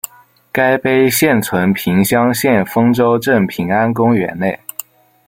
该碑现存平乡县丰州镇平安公园内。